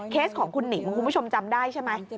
ของคุณหนิงคุณผู้ชมจำได้ใช่ไหม